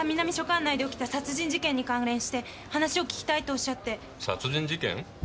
管内で起きた殺人事件に関連して話を聞きたいとおっしゃって殺人事件？